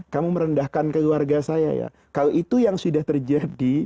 kamu merendahkan keluarga saya ya kalau itu yang sudah terjadi